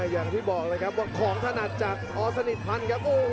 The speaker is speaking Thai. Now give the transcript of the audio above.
อย่างที่บอกเลยครับว่าของถนัดจากอสนิทพันธ์ครับ